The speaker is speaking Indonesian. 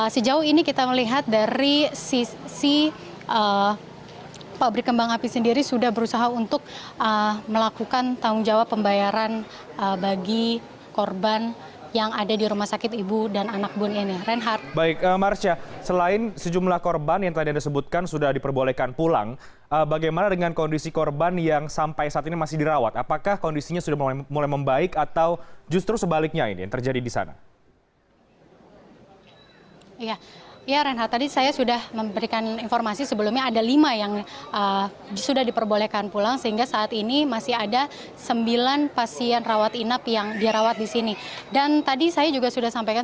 sebelum kebakaran terjadi dirinya mendengar suara ledakan dari tempat penyimpanan